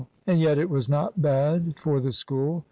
And yet it was not bad for the School.